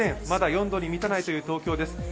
まだ４度に満たないという東京です